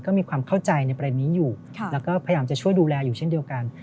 ก็มีความเข้าใจในประเด็นนี้อยู่แล้วก็พยายามจะช่วยดูแลอยู่เช่นเดียวกัน